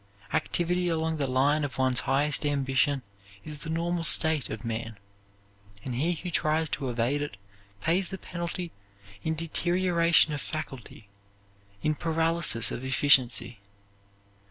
Activity along the line of one's highest ambition is the normal state of man, and he who tries to evade it pays the penalty in deterioration of faculty, in paralysis of efficiency.